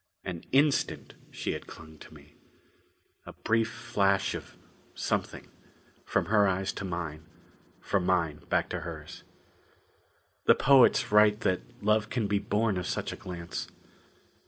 An instant she had clung to me. A brief flash of something, from her eyes to mine from mine back to hers. The poets write that love can be born of such a glance.